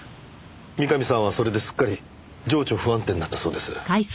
三上さんはそれですっかり情緒不安定になったそうです。